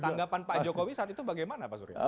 tanggapan pak jokowi saat itu bagaimana pak surya